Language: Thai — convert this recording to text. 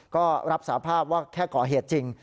ก็รับสาภาพว่าแค่ก่อเหตุจริง